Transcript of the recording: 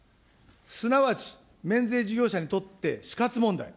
すなわち、免税事業者にとって死活問題。